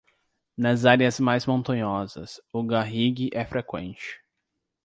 Nas áreas mais montanhosas, o garrigue é freqüente.